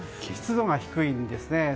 湿度が低いんですね。